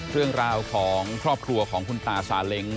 เรื่องราวของครอบครัวของคุณตาซาเล้ง